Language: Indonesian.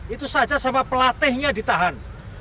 itu saja sama pelatihnya ditahan